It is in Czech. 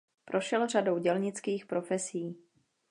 Prošel řadou dělnických profesí.